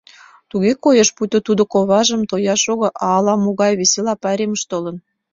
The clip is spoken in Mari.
Туге коеш, пуйто тудо коважым тояш огыл, а ала-могай весела пайремыш толын.